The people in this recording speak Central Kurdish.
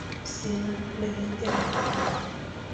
سێ مانگ لەوێ دەمێنینەوە.